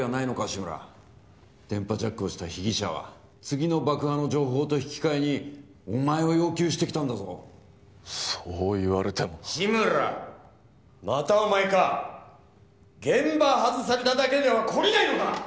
志村電波ジャックをした被疑者は次の爆破の情報と引き換えにお前を要求してきたんだぞそう言われても志村またお前か現場外されただけでは懲りないのか！